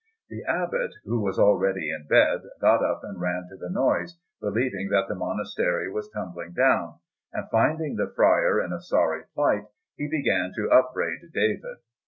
The Abbot, who was already in bed, got up and ran to the noise, believing that the monastery was tumbling down; and finding the friar in a sorry plight, he began to upbraid David.